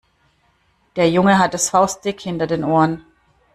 Der Junge hat es faustdick hinter den Ohren.